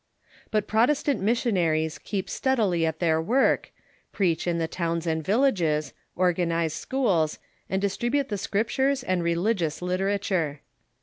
But Protestant missionaries keejD steadily at their Avork, preach in the towns and villages, organize schools, and distribute the Scriptures and i eligious lit erature.